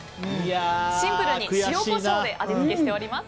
シンプルに塩、コショウで味付けしております。